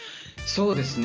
そうですね。